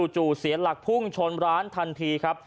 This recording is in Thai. จู่เสียหลักพุ่งชนร้านทันทีครับ